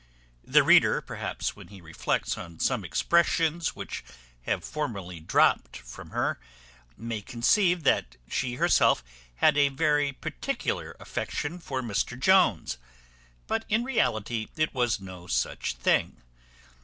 The reader, perhaps, when he reflects on some expressions which have formerly dropt from her, may conceive that she herself had a very particular affection for Mr Jones; but, in reality, it was no such thing.